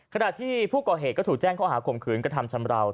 ขณะที่ผู้ก่อเหตุก็ถูกแจ้งข้อหาข่มขืนกระทำชำราว